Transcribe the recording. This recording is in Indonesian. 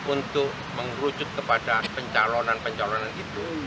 untuk mengerucut kepada pencalonan pencalonan itu